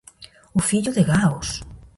O fillo de Gaos!